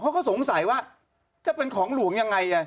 เขาก็สงสัยว่าจะเป็นของหลวงยังไง